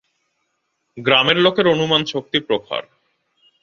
গ্রামের লোকের অনুমানশক্তি প্রখর।